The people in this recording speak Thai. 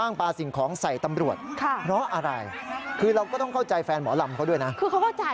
ขว้างปลาสิ่งของใส่ตำรวจเพราะอะไรคือเราก็ต้องเข้าใจแฟนหมอลำเขาด้วยนะเราก็ต้องเข้าใจแฟนหมอลำ